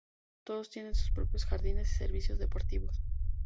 Todas tienen sus propios jardines y servicios deportivos.